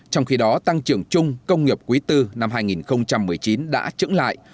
trong khi đó tăng trưởng chung công nghiệp quý tư năm hai nghìn một mươi chín đã trứng lại